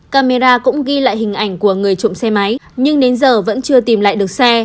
camera cũng ghi lại hình ảnh của người trộm xe máy nhưng đến giờ vẫn chưa tìm lại được xe